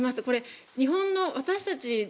これ、日本の私たち